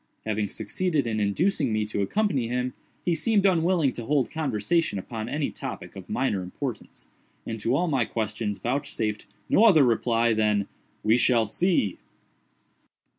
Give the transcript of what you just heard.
Having succeeded in inducing me to accompany him, he seemed unwilling to hold conversation upon any topic of minor importance, and to all my questions vouchsafed no other reply than "we shall see!"